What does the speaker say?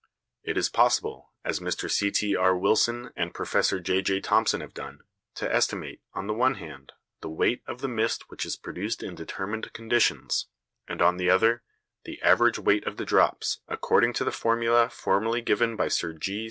It is possible, as Mr C.T.R. Wilson and Professor J.J. Thomson have done, to estimate, on the one hand, the weight of the mist which is produced in determined conditions, and on the other, the average weight of the drops, according to the formula formerly given by Sir G.